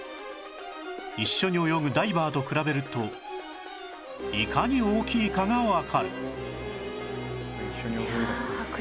一緒に泳ぐダイバーと比べるといかに大きいかがわかるねえ！